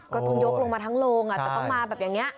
ก็ต้องยกลงมาทั้งโรงแต่ต้องมาแบบอย่างนี้